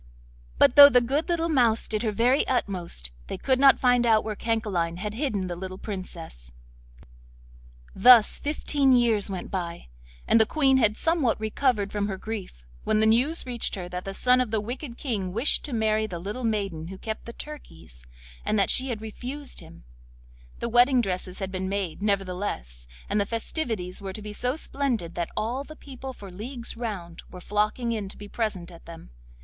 But though the good little mouse did her very utmost, they could not find out where Cancaline had hidden the little Princess. Thus fifteen years went by, and the Queen had somewhat recovered from her grief, when the news reached her that the son of the wicked King wished to marry the little maiden who kept the turkeys, and that she had refused him; the wedding dresses had been made, nevertheless, and the festivities were to be so splendid that all the people for leagues round were flocking in to be present at them.